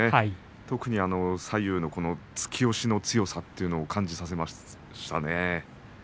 特に左右の突き押しの強さというのを感じさせましたね。